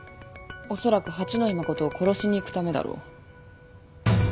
おそらく八野衣真を殺しに行くためだろう。